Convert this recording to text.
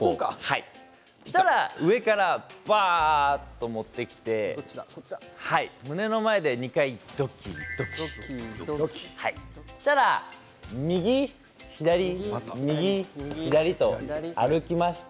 そしたら上からバーっと持ってきて胸の前で２回どきどき、そしたら右左右左と歩きました。